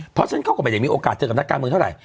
เพราะฉะนั้นเขาก็ไม่ได้มีโอกาสเจอกับนักการเมืองเท่าไหร่